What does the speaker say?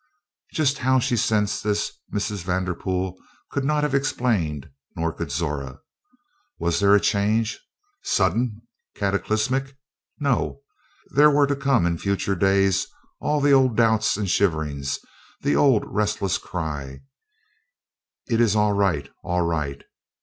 Just how she sensed this Mrs. Vanderpool could not have explained, nor could Zora. Was there a change, sudden, cataclysmic? No. There were to come in future days all the old doubts and shiverings, the old restless cry: "It is all right all right!"